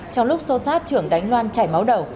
trong lúc xô xát trưởng đánh loan chảy máu đầu